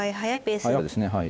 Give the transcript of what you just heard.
そうですねはい。